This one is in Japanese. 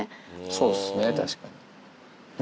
そうっすね、確かに。